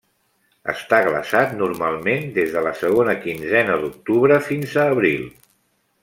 Està glaçat normalment des de la segona quinzena d'octubre fins a abril.